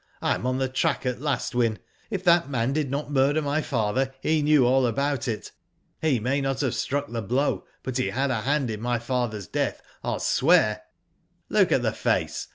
I am on the track at last, Wyn. If that man did not murder my father he knew all about it. He may not have struck the blow, but he had a hand in my father's death, I'll swear. " Look at the face.